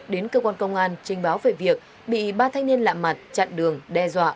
đến cơ quan công an trình báo về việc bị ba thanh niên lạ mặt chặn đường đe dọa